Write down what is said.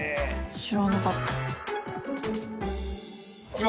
知らなかった。